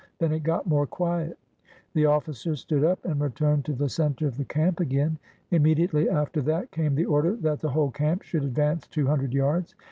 Then it got more quiet. The offi cers stood up and returned to the center of the camp again. Immediately after that came the order that the whole camp should advance two hundred yards.